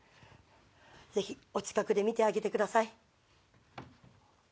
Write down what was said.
ぜひお近くで見てあげてください。